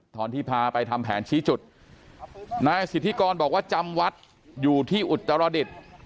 ตอนที่พาไปทำแผนชี้จุดนายสิทธิกรบอกว่าจำวัดอยู่ที่อุตรดิษฐ์